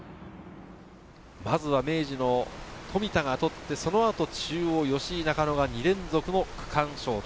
まずは明治の富田が取って、そのあと中央・吉居、中野が２連続の区間賞。